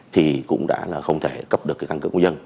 thì cũng đã không thể cấp được căn cứ công dân